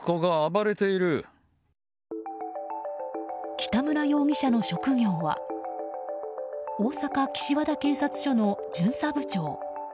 北村容疑者の職業は大阪・岸和田警察署の巡査部長。